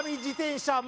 自転車